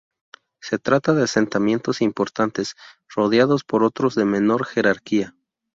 Se trata de asentamientos importantes rodeados por otros de menor jerarquía.